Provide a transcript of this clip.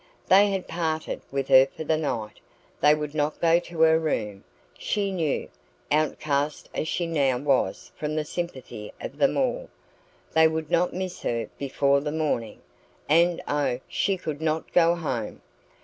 They had parted with her for the night; they would not go to her room, she knew outcast as she now was from the sympathy of them all; they would not miss her before the morning. And, oh, she could not go home!